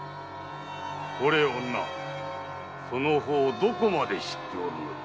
これ女その方どこまで知っておるのじゃ？